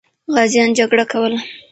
غازیان جګړه کوله.